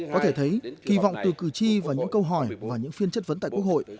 có thể thấy kỳ vọng từ cử tri và những câu hỏi và những phiên chất vấn tại quốc hội